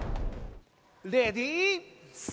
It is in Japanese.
レディ。